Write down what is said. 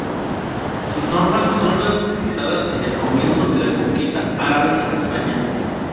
Sus normas son las utilizadas en el comienzo de la conquista árabe en España.